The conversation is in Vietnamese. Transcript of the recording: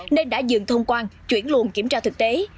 nên đã dừng thông quan chuyển luận kiểm tra thực tế